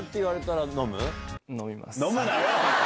飲むなよ！